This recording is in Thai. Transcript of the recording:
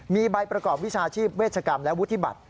มีใบประกอบวิชาชีพเวชกรรมและวุฒิบัตร